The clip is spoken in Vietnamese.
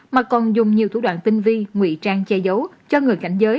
mà còn dùng nhiều thủ đoạn tinh vi nguy trang che giấu cho người cảnh giới